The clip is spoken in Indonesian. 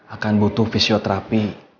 akan butuh fisioterapi